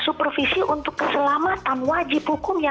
supervisi untuk keselamatan wajib hukumnya